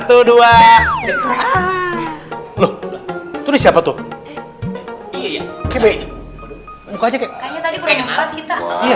itu siapa tuh iya oke bukanya kayaknya tadi kita